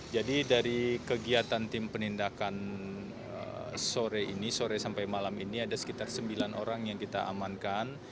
jadi dari kegiatan tim penindakan sore ini sore sampai malam ini ada sekitar sembilan orang yang kita amankan